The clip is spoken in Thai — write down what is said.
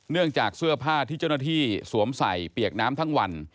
จากเสื้อผ้าที่เจ้าหน้าที่สวมใส่เปียกน้ำทั้งวัน